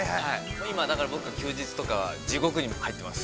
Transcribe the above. ◆今だから、僕、休日とかは地獄に入ってます。